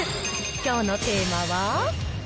きょうのテーマは。